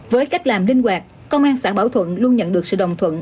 với cách làm linh hoạt công an xã bảo thuận luôn nhận được sự đồng thuận